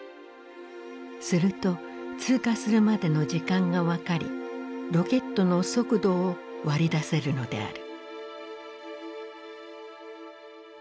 すると通過するまでの時間が分かりロケットの速度を割り出せるのである。